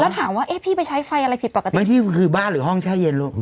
แล้วถามว่าเอ๊ะพี่ไปใช้ไฟอะไรผิดปกติไม่ที่คือบ้านหรือห้องแช่เย็นลูก